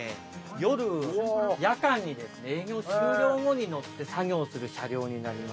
夜夜間に営業終了後に乗って作業をする車両になります。